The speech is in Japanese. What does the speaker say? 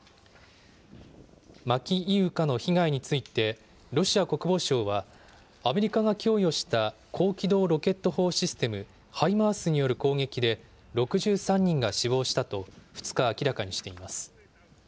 マキイウカの被害について、ロシア国防省は、アメリカが供与した高機動ロケット砲システム・ハイマースによる攻撃で６３人が死亡したと２日、明らかにしています。